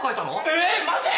えっマジ！？